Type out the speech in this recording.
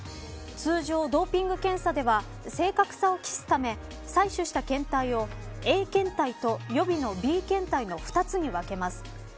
通常、ドーピング検査では正確さを期すため採取した検体をＡ検体と予備のＢ検体の２つに分けます。